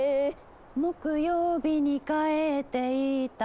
「木曜日に帰っていった」